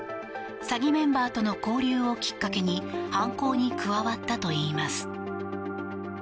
詐欺メンバーとの交流をきっかけに犯行に加わったといいます。